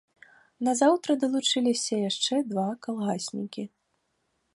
Назаўтра далучыліся яшчэ два калгаснікі.